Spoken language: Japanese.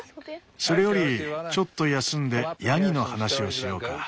それよりちょっと休んでヤギの話をしようか。